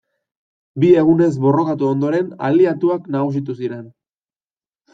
Bi egunez borrokatu ondoren aliatuak nagusitu ziren.